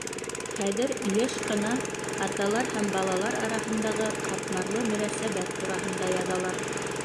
Хәҙер йыш ҡына аталар һәм балалар араһындағы ҡатмарлы мөнәсәбәт тураһында яҙалар.